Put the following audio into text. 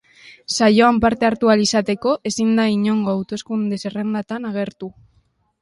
Saioan parte hartu ahal izateko, ezin da inongo hauteskunde-zerrendatan agertu.